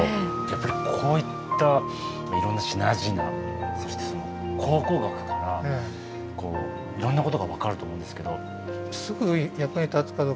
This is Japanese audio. やっぱりこういったいろんな品々そして考古学からいろんなことが分かると思うんですけど。